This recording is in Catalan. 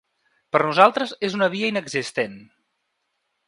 Per nosaltres és una via inexistent.